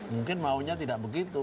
mungkin maunya tidak begitu